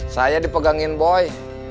saya dipegangin boy